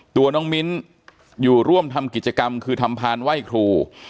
ตัวน้องมิ้นอยู่ร่วมทำกิจกรรมคือทำพานไหว้ครู